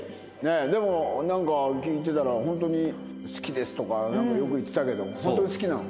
でもなんか聞いてたらホントに「好きです」とかなんかよく言ってたけどホントに好きなの？